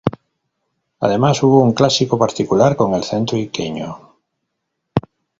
Además hubo un clásico particular con el Centro Iqueño.